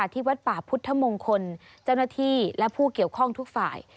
ที่วัดป่าพุทธมงคลเจ้าหน้าที่และผู้เกี่ยวข้องทุกฝ่าย